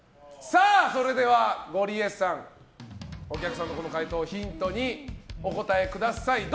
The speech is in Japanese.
それでは、ゴリエさんお客さんの回答をヒントにお答えください。